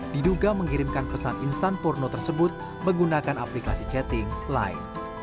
diduga mengirimkan pesan instan porno tersebut menggunakan aplikasi chatting line